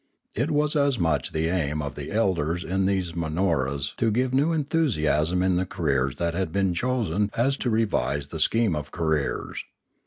It was as much the aim of the elders in these Manoras to give new enthusiasm in the careers that had been chosen as to revise the scheme of careers.